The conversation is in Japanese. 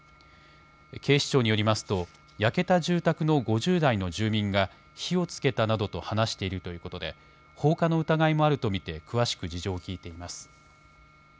警視庁によりますと焼けた住宅の５０代の住民が火をつけたなどと話しているということで放火の疑いもあると見て詳しく事情を聞いています。